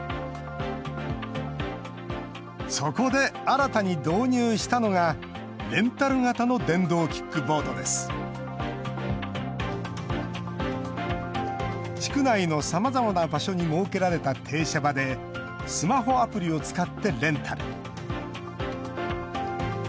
そこで新たに導入したのが地区内のさまざまな場所に設けられた停車場でスマホアプリを使ってレンタル。